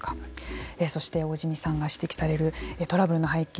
そして、大慈弥さんが指摘されるトラブルの背景